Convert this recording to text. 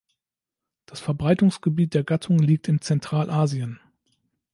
Das Verbreitungsgebiet der Gattung liegt in Zentralasien.